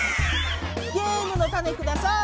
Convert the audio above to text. ゲームのタネください！